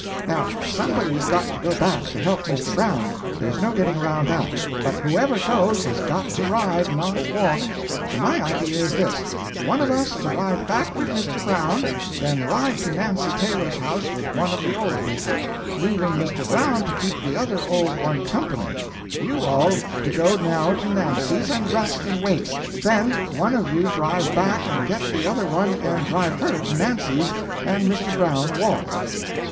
Now, somebody's got to go back, to help Mr. Brown there's no getting around that; but whoever goes has got to ride, not walk. So my idea is this: one of us to ride back with Mr. Brown, then ride to Nancy Taylor's house with one of the Old People, leaving Mr. Brown to keep the other old one company, you all to go now to Nancy's and rest and wait; then one of you drive back and get the other one and drive her to Nancy's, and Mr. Brown walk."